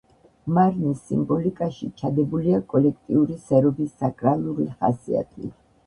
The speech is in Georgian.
მარნის სიმბოლიკაში ჩადებულია კოლექტიური სერობის საკრალური ხასიათი.